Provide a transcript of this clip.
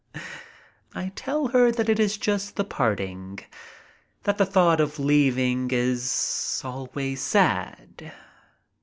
I tell her that it is just the parting — that the thought of leaving is always sad.